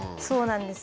そうなんです。